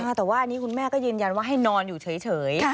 แต่ว่าอันนี้คุณแม่ก็ยืนยันว่าให้นอนอยู่เฉย